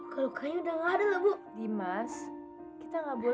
kok kamu tega sama aku seperti itu